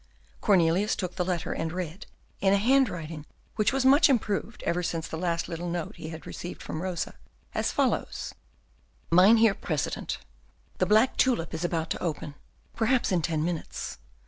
Cornelius took the letter, and read, in a handwriting which was much improved even since the last little note he had received from Rosa, as follows: "Mynheer President, The black tulip is about to open, perhaps in ten minutes.